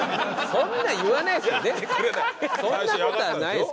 そんな事はないですけど。